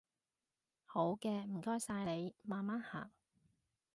好嘅，唔該晒你，慢慢行